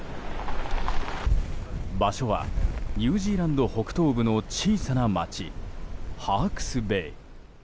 場所はニュージーランド北東部の小さな町ハークスベイ。